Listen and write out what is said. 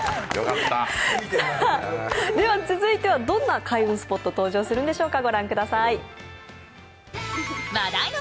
続いてはどんな開運スポット登場するんでしょうか？